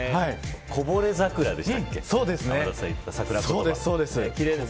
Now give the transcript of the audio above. こぼれ桜でしたっけ。